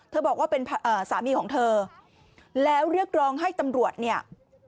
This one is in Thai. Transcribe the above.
บอกว่าเป็นสามีของเธอแล้วเรียกร้องให้ตำรวจเนี่ย